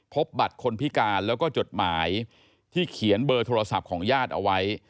พบบัตรคนพิการแล้วก็จดหมายที่เขียนเบอร์โทรศัพท์ของญาติเอาไว้